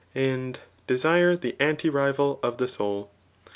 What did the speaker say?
And) desire . the anti rival qf the soul.